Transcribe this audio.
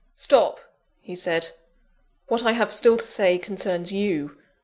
"Stop," he said, "what I have still to say concerns you.